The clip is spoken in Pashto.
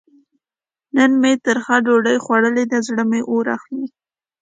نن مې ترخه ډوډۍ خوړلې ده؛ زړه مې اور اخلي.